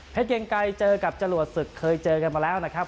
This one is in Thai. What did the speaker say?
เกียงไกรเจอกับจรวดศึกเคยเจอกันมาแล้วนะครับ